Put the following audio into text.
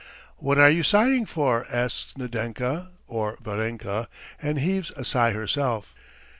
"What are you sighing for?" asks Nadenka (or Varenka), and heaves a sigh herself.